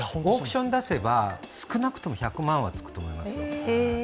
オークションに出せば、少なくとも１００万はつくと思います。